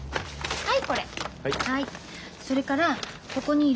はい。